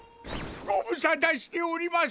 ご無沙汰しております。